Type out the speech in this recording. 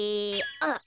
あっ！